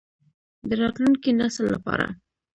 د راتلونکي نسل لپاره.